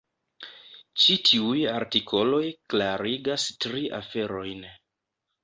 Ĉi tiuj artikoloj klarigas tri aferojn.